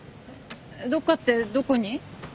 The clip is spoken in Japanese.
どっかってどこに？